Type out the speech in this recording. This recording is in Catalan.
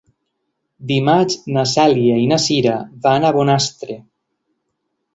Dimarts na Cèlia i na Cira van a Bonastre.